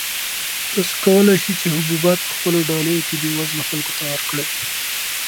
تاسو کولای شئ چې حبوبات په خپلو ډالیو کې بېوزلو خلکو ته ورکړئ.